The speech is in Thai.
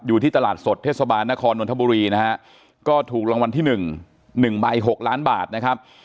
อยู่ที่ตลาดสดเทศบาลนครนนทบุรีนะฮะก็ถูกรางวัลที่๑๑ใบ๖ล้านบาทนะครับ